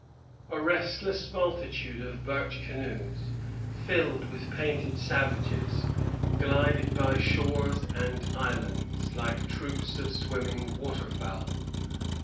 A restless multitude of birch canoes, filled with painted savages, glided by shores and islands, like troops of swimming water fowl.